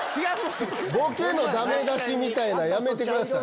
ボケのダメ出しみたいなんやめてください。